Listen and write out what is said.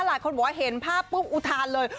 หลายคนบอกว่าเห็นภาพปุ๊บอุทานเลย